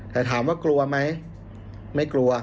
แต่ถามว่ากลัวไหมไม่กลัว